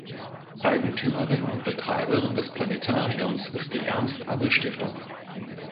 Eigentümerin und Betreiberin des Planetariums ist die Ernst-Abbe-Stiftung.